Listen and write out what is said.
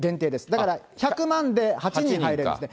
だから１００万で８人は入れますね。